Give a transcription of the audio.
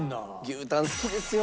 牛たん好きですよ。